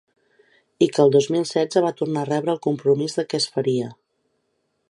I que al dos mil setze va tornar a rebre el compromís de que es faria.